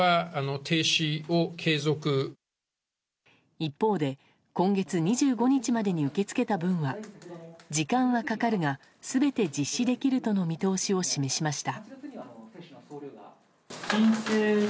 一方で、今月２５日までに受け付けた分は時間がかかるが全て実施できるとの見通しを示しました。